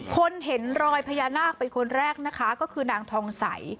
คนเห็นรอยพญานาคเป็นคนแรกนะคะก็คือนางทองใส